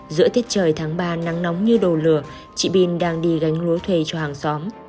giữa thiết trời tháng ba nắng nóng như đồ lửa chị bin đang đi gánh lúa thuê cho hàng xóm